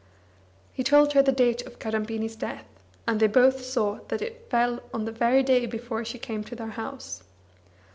He told her the date of Kadambini's death, and they both saw that it fell on the very day before she came to their house.